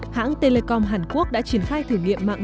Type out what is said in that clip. hãng telecom hàn quốc đã triển khai thử nghiệm mạng năm g